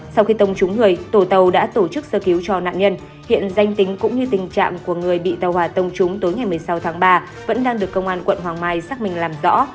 sau khi tông trúng người tổ tàu đã tổ chức sơ cứu cho nạn nhân hiện danh tính cũng như tình trạng của người bị tàu hỏa tông trúng tối ngày một mươi sáu tháng ba vẫn đang được công an quận hoàng mai xác minh làm rõ